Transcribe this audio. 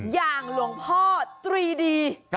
อย่างหลวงพ่อตรีดี